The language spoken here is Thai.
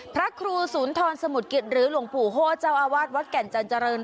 พระครูสุนทรสมุทรกิจหรือหลวงปู่โฮเจ้าอาวาสวัดแก่นจันเจริญ